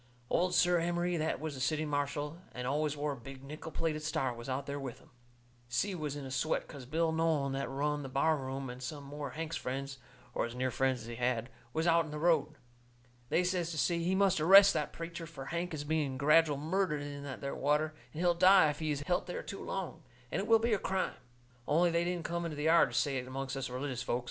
Old Si Emery, that was the city marshal, and always wore a big nickel plated star, was out there with 'em. Si was in a sweat, 'cause Bill Nolan, that run the bar room, and some more of Hank's friends, or as near friends as he had, was out in the road. They says to Si he must arrest that preacher, fur Hank is being gradual murdered in that there water, and he'll die if he's helt there too long, and it will be a crime. Only they didn't come into the yard to say it amongst us religious folks.